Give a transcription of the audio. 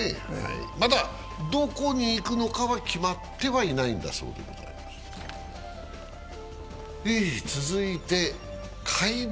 まだどこに行くのかは決まっていないそうでございます。